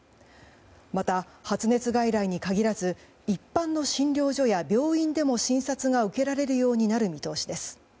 また、発熱外来に限らず一般の診療所や病院でも診察が受けられるようになる見通しです。